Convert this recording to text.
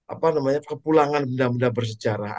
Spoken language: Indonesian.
apa namanya kepulangan benda benda bersejarah